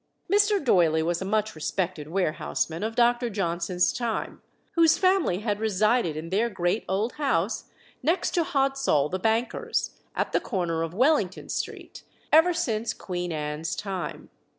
Mr. Doyley was a much respected warehouseman of Dr. Johnson's time, whose family had resided in their great old house, next to Hodsall the banker's, at the corner of Wellington Street, ever since Queen Anne's time.